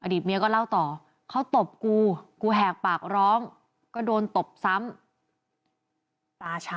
เมียก็เล่าต่อเขาตบกูกูแหกปากร้องก็โดนตบซ้ำ